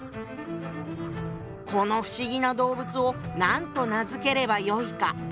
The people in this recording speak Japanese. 「この不思議な動物を何と名付ければよいか」。